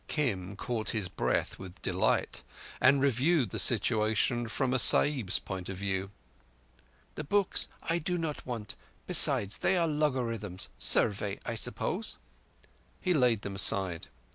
Kim caught his breath with delight, and reviewed the situation from a Sahib's point of view. "The books I do not want. Besides, they are logarithms—Survey, I suppose." He laid them aside.